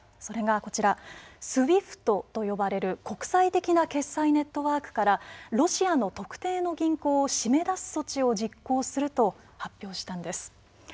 それがＳＷＩＦＴと呼ばれる国際的な決済ネットワークからロシアの特定の銀行を締め出す措置を実行すると発表したんです。